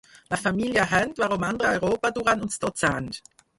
La família Hunt va romandre a Europa durant uns dotze anys.